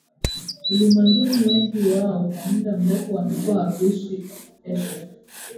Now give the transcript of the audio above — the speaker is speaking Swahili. ulimwenguni Wengi wao kwa muda mrefu wamekuwa wakiishi Asia